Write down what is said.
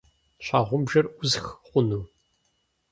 Щхьэгъубжэр ӏусх хъуну?